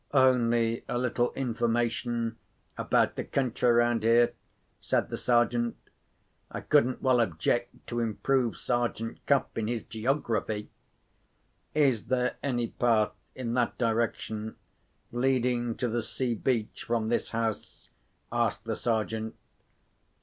"Only a little information about the country round here," said the Sergeant. I couldn't well object to improve Sergeant Cuff in his geography. "Is there any path, in that direction, leading to the sea beach from this house?" asked the Sergeant.